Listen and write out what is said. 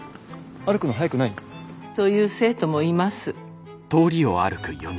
歩くの速くない？と言う生徒もいます。